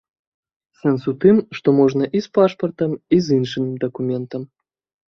Сэнс у тым, што можна і з пашпартам, і з іншым дакументам.